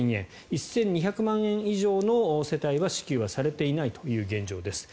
１２００万円以上の世帯は支給されていないという現状です。